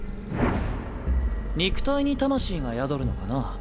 肉体に魂が宿るのかな？